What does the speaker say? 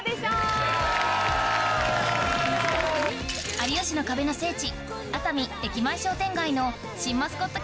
『有吉の壁』の聖地